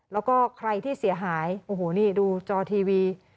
แล้วก็ใครที่เสียหายโอ้โหนี่ดูจอทีวี